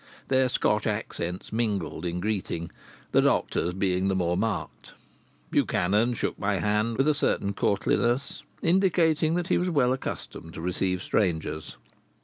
Their Scotch accents mingled in greeting, the doctor's being the more marked. Buchanan shook my hand with a certain courtliness, indicating that he was well accustomed to receive strangers.